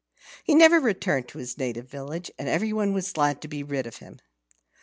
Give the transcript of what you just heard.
He never returned to his native village, and everybody was glad to be rid of him.